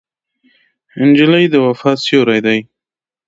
نجلۍ د وفا سیوری ده.